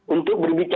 untuk beri maksudnya